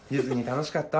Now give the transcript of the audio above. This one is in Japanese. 楽しかった？